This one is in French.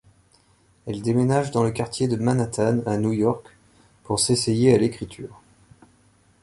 Elle déménage dans le quartier de Manhattan à New York pour s'essayer à l'écriture.